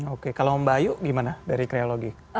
oke kalau mbak ayu gimana dari kreologi